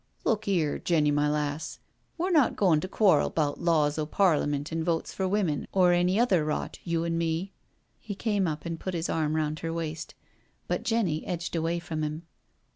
^* Look 'ere, Jenny, my lass. We're not goin' to quarrel 'bout laws o' Parliment and Votes for Women, or any other rot, you an' me." He came up and put his arm round her waist, but Jenny ^dged away from him.